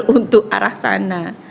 untuk arah sana